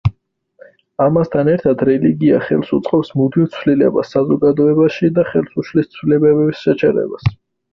ამასთან ერთად რელიგია ხელს უწყობს მუდმივ ცვლილებას საზოგადოებაში და ხელს უშლის ცვლილებების შეჩერებას.